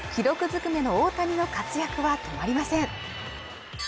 ずくめの大谷の活躍は止まりません